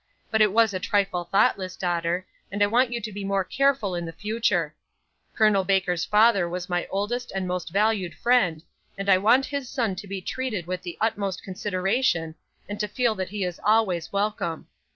But it was a trifle thoughtless, daughter, and I want you to be more careful in the future. Col. Baker's father was my oldest and most valued friend, and I want his son to be treated with the utmost consideration, and to feel that he is always welcome.